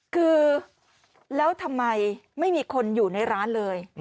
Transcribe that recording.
คือแล้วทำไมไม่มีคนอยู่ในร้านเลย